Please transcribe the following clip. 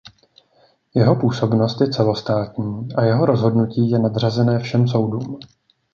Jeho působnost je celostátní a jeho rozhodnutí je nadřazené všem soudům.